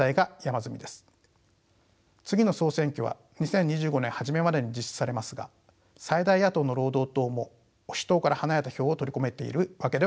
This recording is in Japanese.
次の総選挙は２０２５年初めまでに実施されますが最大野党の労働党も保守党から離れた票を取り込めているわけではありません。